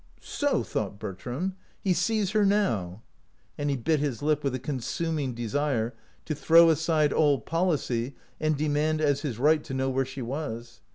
"So," thought Bertram, "he sees her now," and he bit his lip with a consuming desire to throw aside all policy and demand as his right to know where she was.